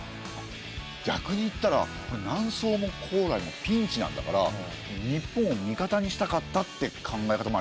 逆にいったら南宋も高麗もピンチなんだから日本を味方にしたかったって考え方もありますよね。